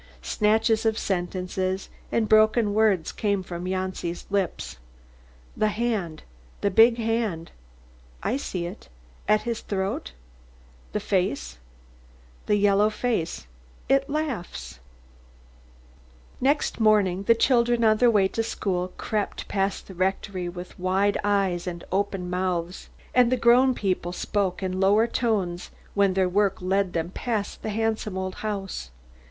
Snatches of sentences and broken words came from Janci's lips: "The hand the big hand I see it at his throat the face the yellow face it laughs " Next morning the children on their way to school crept past the rectory with wide eyes and open mouths. And the grown people spoke in lower tones when their work led them past the handsome old house.